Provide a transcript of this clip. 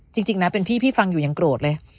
จริงนะเป็นพี่พี่ฟังอยู่ยังโกรธเลย